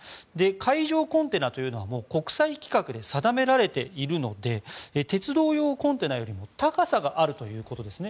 海上コンテナというのは国際規格で定められているので鉄道用コンテナよりも高さがあるということですね。